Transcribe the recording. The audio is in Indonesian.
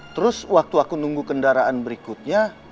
terus waktu aku nunggu kendaraan berikutnya